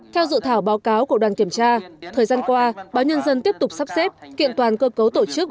theo dự thảo báo cáo của đoàn kiểm tra thời gian qua báo nhân dân tiếp tục sắp xếp kiện toàn cơ cấu tổ chức